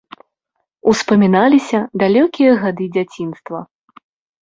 Успаміналіся далёкія гады дзяцінства.